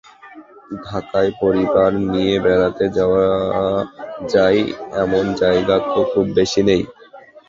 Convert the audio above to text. ঢাকায় পরিবার নিয়ে বেড়াতে যাওয়া যায় এমন জায়গা তো খুব বেশি নেই।